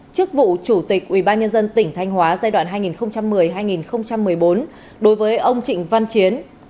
chức vụ chủ tịch ubnd tỉnh thanh hóa giai đoạn hai nghìn một mươi hai nghìn một mươi bốn đối với ông trịnh văn chiến